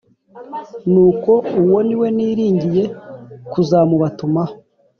Nuko uwo ni we niringiye kuzamubatumaho